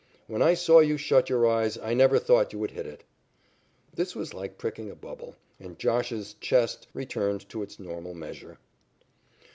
When I saw you shut your eyes, I never thought you would hit it." This was like pricking a bubble, and "Josh's" chest returned to its normal measure.